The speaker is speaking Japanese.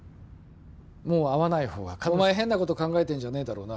もう会わない方が彼女のためお前変なこと考えてんじゃねえだろうな